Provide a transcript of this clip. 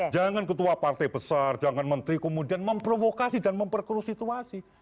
jangan ketua partai besar jangan menteri kemudian memprovokasi dan memperkeruh situasi